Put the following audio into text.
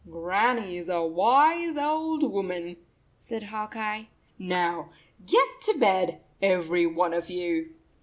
" Grannie is a wise old woman," said Hawk Eye. " Now, get to bed, every one of you."